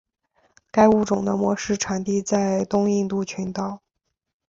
该物种的模式产地在东印度群岛。